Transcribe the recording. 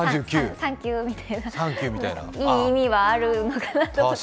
サンキューみたいないい意味はあるのかな？